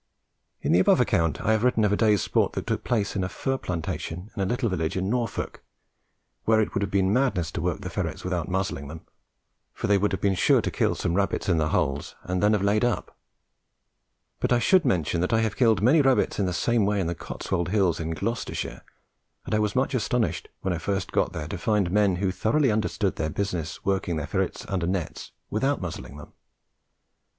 In the above account I have written of a day's sport that took place in a fir plantation in a little village in Norfolk, where it would have been madness to work the ferrets without muzzling them, for they would have been sure to kill some rabbits in the holes and then have laid up; but I should mention that I have killed many rabbits in the same way on the Cotswold Hills in Gloucestershire, and I was much astonished when I first got there to find men who thoroughly understood their business working their ferrets under nets without muzzling them.